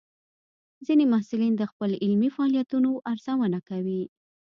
ځینې محصلین د خپل علمي فعالیتونو ارزونه کوي.